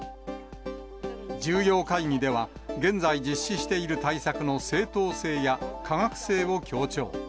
重要会議では、現在、実施している対策の正当性や科学性を強調。